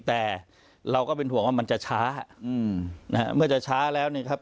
แต่เราก็เป็นห่วงว่ามันจะช้าอืมนะฮะเมื่อจะช้าแล้วเนี่ยครับ